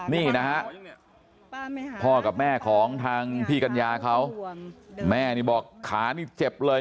นี่นะฮะพ่อกับแม่ของทางพี่กัญญาเขาแม่นี่บอกขานี่เจ็บเลย